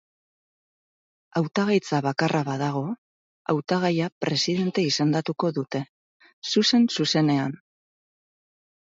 Hautagaitza bakarra badago, hautagaia presidente izendatuko dute, zuzen-zuzenean.